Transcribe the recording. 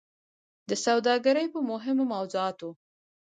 د سوداګرۍ په مهمو موضوعاتو